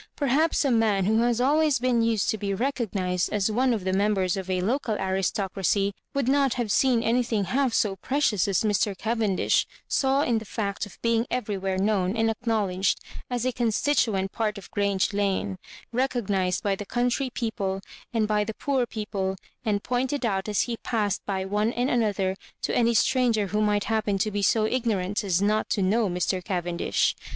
Perhaps a man who has always been used to be recognised as one of the members of a local aristocracy, would not have seen anything half so precious as Mr. Cavendish saw in the fact of being everywhere known and acknowledged as a conatitutent part of Grange Lane ;— recognised by the county people, and by the poor people, and pointed out as he passed by one and another to any stranger who might happen to be so ignorant as not to know Mr. Cavendish.